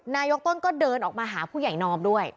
นายกต้นก็เดินออกมาหาผู้ใหญ่นอมด้วย